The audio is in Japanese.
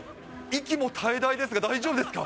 息も絶え絶えですが、大丈夫ですか？